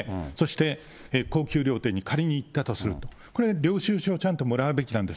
そして高級料亭に仮に行ったとすると、これ、領収書、ちゃんともらうべきなんです。